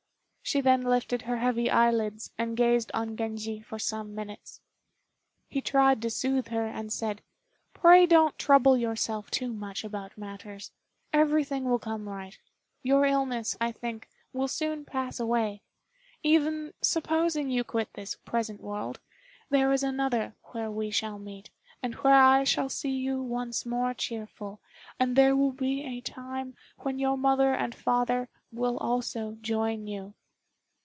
She then lifted her heavy eyelids, and gazed on Genji for some minutes. He tried to soothe her, and said, "Pray don't trouble yourself too much about matters. Everything will come right. Your illness, I think, will soon pass away. Even supposing you quit this present world, there is another where we shall meet, and where I shall see you once more cheerful, and there will be a time when your mother and father will also join you."